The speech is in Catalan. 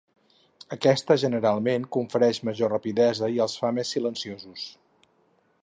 Aquesta generalment confereix major rapidesa i els fa més silenciosos.